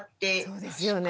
そうですよね。